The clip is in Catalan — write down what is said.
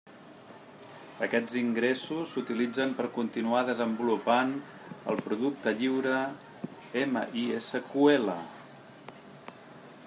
Aquests ingressos s'utilitzen per continuar desenvolupant el producte lliure MySQL.